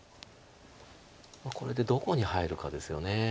これでどこに入るかですよね。